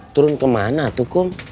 turun kemana atukum